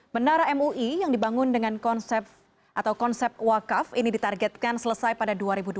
menara mui yang dibangun dengan konsep atau konsep wakaf ini ditargetkan selesai pada dua ribu dua puluh